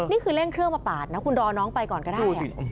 นี่คือเร่งเครื่องมาปาดนะคุณรอน้องไปก่อนก็ได้